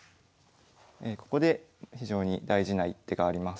ここで非常に大事な一手があります。